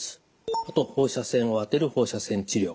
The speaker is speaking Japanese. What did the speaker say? あと放射線を当てる放射線治療。